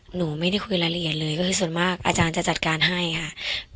หนูไม่ได้คุยรายละเอียดเลยก็คือส่วนมากอาจารย์จะจัดการให้ค่ะ